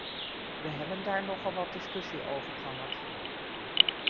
We hebben daar nogal wat discussie over gehad.